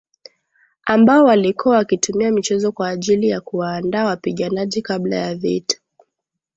ambao walikuwa wakitumia michezo kwa ajili ya kuwaandaa wapiganaji kabla ya vita